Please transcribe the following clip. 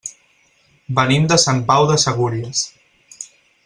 Venim de Sant Pau de Segúries.